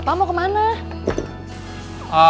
bapak mau ke mana